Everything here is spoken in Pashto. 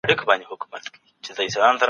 په لویه جرګه کي د رسنیو مرکز چېرته دی؟